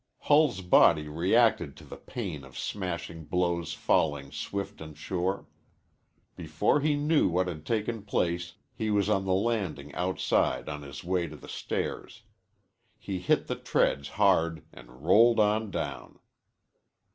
Hull's body reacted to the pain of smashing blows falling swift and sure. Before he knew what had taken place he was on the landing outside on his way to the stairs. He hit the treads hard and rolled on down.